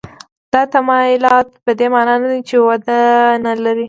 دا تمایلات په دې معنا نه دي چې وده نه لري.